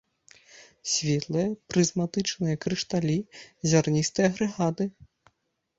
Светлыя прызматычныя крышталі, зярністыя агрэгаты.